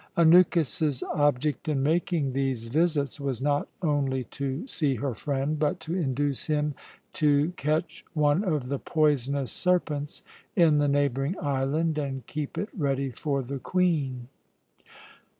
Anukis's object in making these visits was not only to see her friend, but to induce him to catch one of the poisonous serpents in the neighbouring island and keep it ready for the Queen.